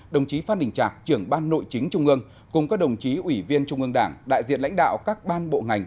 đồng chí phan đình trạc trưởng ban nội chính trung ương cùng các đồng chí ủy viên trung ương đảng đại diện lãnh đạo các ban bộ ngành